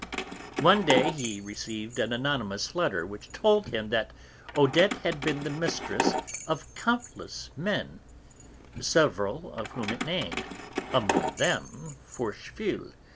One day he received an anonymous letter which told him that Odette had been the mistress of countless men (several of whom it named, among them Forcheville, M.